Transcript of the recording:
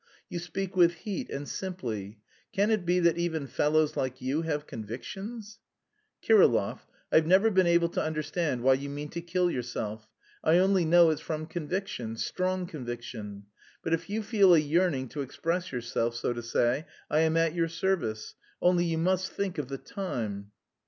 "You speak with heat and simply.... Can it be that even fellows like you have convictions?" "Kirillov, I've never been able to understand why you mean to kill yourself. I only know it's from conviction... strong conviction. But if you feel a yearning to express yourself, so to say, I am at your service.... Only you must think of the time."